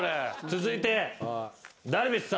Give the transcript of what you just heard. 続いて。